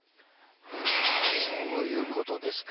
うわそういうことですか。